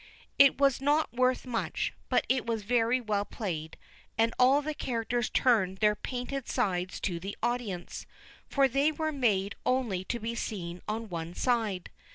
It was not worth much, but it was very well played, and all the characters turned their painted sides to the audience, for they were made only to be seen on one side.